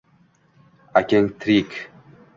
Akang tirek!